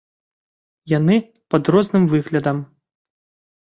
Яны пад розным выглядам.